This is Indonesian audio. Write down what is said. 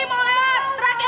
bagan white jahre katanya